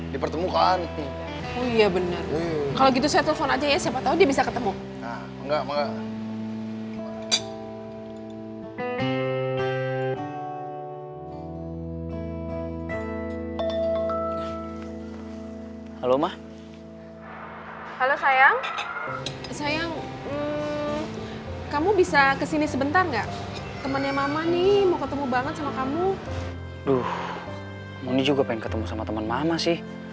duhh mondi juga pengen ketemu sama temen mama sih